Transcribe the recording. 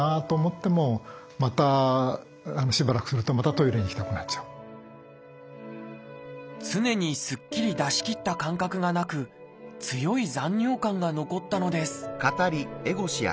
トイレに行っても常にすっきり出しきった感覚がなく強い残尿感が残ったのです。